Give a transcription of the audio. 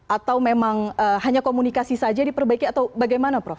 atau memang hanya komunikasi saja diperbaiki atau bagaimana prof